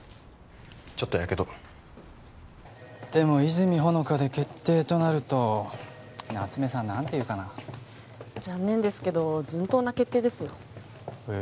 ちょっとヤケドでも和泉ほのかで決定となると夏目さん何て言うかな残念ですけど順当な決定ですよへえ